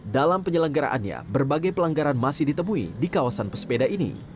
dalam penyelenggaraannya berbagai pelanggaran masih ditemui di kawasan pesepeda ini